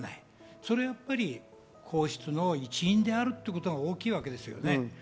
それがやっぱり皇室の一員になることが大きいわけですよ。